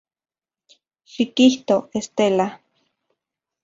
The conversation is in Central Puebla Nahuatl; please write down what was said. Xikijto, Estela.